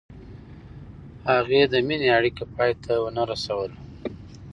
هغې د مینې اړیکه پای ته ونه رسوله.